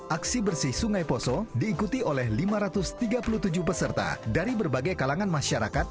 aksi bersih sungai poso diikuti oleh lima ratus tiga puluh tujuh peserta dari berbagai kalangan masyarakat